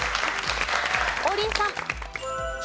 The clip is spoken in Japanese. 王林さん。